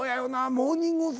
モーニング娘。